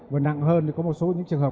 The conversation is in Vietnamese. và nặng hơn thì có một số những trường hợp